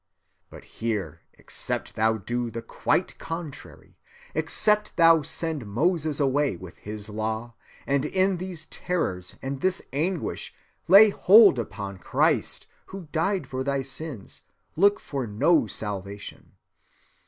But here, except thou do the quite contrary, except thou send Moses away with his law, and in these terrors and this anguish lay hold upon Christ who died for thy sins, look for no salvation.